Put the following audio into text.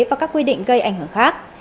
và các quy định gây ảnh hưởng khác